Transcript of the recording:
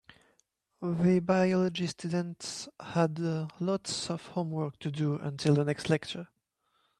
The biology students had lots of homework to do until the next lecture.